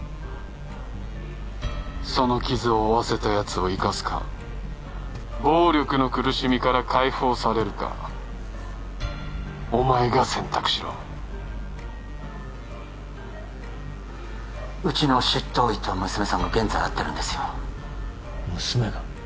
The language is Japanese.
その傷を負わせたやつを生かすか暴力の苦しみから解放されるかお前が選択しろうちの執刀医と娘さんが現在会ってるんですよ娘が？